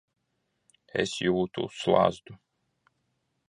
Es jūtu slazdu.